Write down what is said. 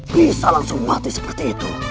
bisa langsung mati seperti itu